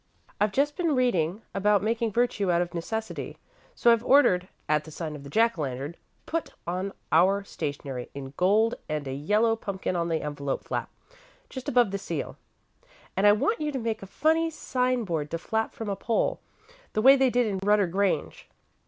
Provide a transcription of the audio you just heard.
I've just been reading about making virtue out of necessity, so I've ordered 'At the Sign of the Jack o' Lantern' put on our stationery, in gold, and a yellow pumpkin on the envelope flap, just above the seal. And I want you to make a funny sign board to flap from a pole, the way they did in 'Rudder Grange.'